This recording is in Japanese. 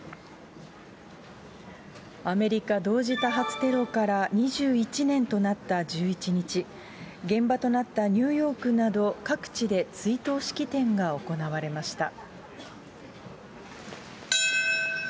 アメリカ同時多発テロから２１年となった１１日、現場となったニューヨークなど、各地で追悼式典が行われました。